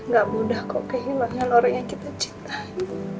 gak mudah kok kehilangnya lorik yang kita cintai